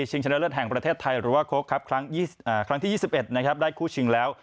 ชิงชนะเลิศแห่งประเทศไทยรัวคกครั้งที่๒๑ได้คู่ชิงแล้ว